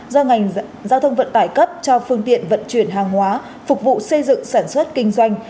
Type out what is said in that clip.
do ngành giao thông vận tải cấp cho phương tiện vận chuyển hàng hóa phục vụ xây dựng sản xuất kinh doanh